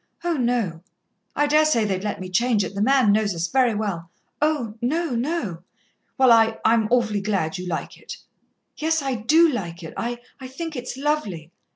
"Oh, no." "I dare say they'd let me change it, the man knows us very well." "Oh, no, no." "Well, I, I I'm awfully glad you like it." "Yes, I do like it. I I think it's lovely."